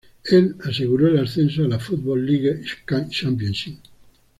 Él aseguró el ascenso a la Football League Championship.